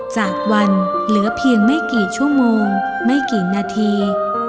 จากวันเหลือเพียงไม่กี่ชั่วโมงไม่กี่นาที